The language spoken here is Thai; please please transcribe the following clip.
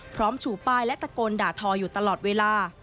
ชูป้ายและตะโกนด่าทออยู่ตลอดเวลา